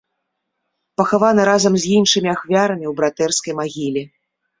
Пахаваны разам з іншымі ахвярамі ў братэрскай магіле.